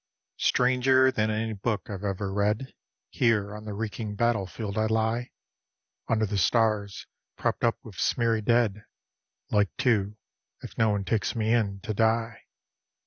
Stranger than any book I've ever read. Here on the reeking battlefield I lie, Under the stars, propped up with smeary dead, Like too, if no one takes me in, to die.